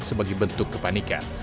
sebagai bentuk kepanikan